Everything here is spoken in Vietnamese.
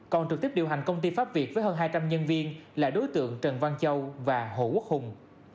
còn trực tiếp điều hành công ty pháp việt với hơn hai trăm linh nhân viên là đối tượng trần văn châu và hồ quốc hùng